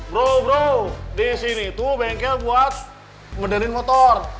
bro bro di sini tuh bengkel buat medern motor